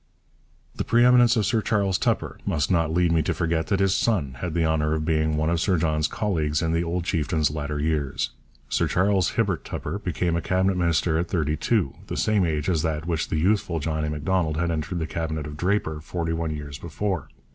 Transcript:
The pre eminence of Sir Charles Tupper must not lead me to forget that his son had the honour of being one of Sir John's colleagues in the old chieftain's latter years. Sir Charles Hibbert Tupper became a Cabinet minister at thirty two, the same age as that at which the youthful John A. Macdonald had entered the Cabinet of Draper, forty one years before.